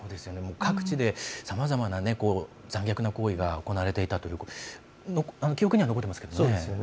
各地でさまざまな残虐な行為が行われていたと記憶には残っていますね。